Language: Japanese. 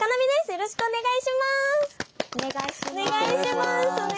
よろしくお願いします。